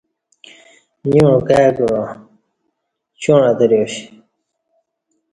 نیوع کای کعا چوݩع اتریاش